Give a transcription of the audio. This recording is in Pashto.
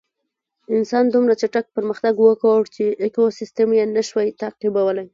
انسان دومره چټک پرمختګ وکړ چې ایکوسېسټم یې نهشوی تعقیبولی.